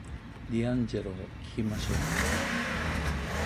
ディアンジェロを聞きましょう